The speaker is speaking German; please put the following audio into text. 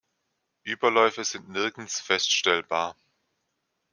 Überläufe sind nirgends feststellbar.